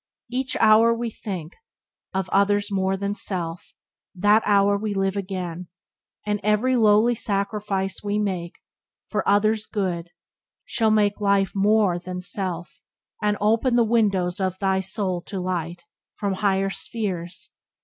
"Each hour we think Of others more than self, that hour we live again, And every lowly sacrifice we make For other's good shall make life more than self, And ope the windows of thy soul to light From higher spheres.